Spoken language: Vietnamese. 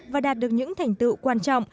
và đạt được những thành tựu quan trọng